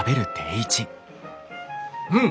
うん！